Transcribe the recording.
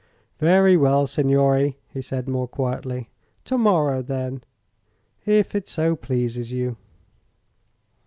"Very well, signore," he said, more quietly. "To morrow, then, if it so pleases you."